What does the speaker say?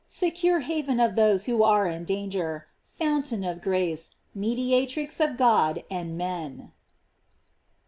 secure haven of those who are in danger! fountain of grace! mediatrix of God and men!